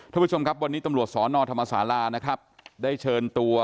ท่านผู้ชมครับวันนี้ตำรวจสอนอธรรมศาลานะครับได้เชิญตัว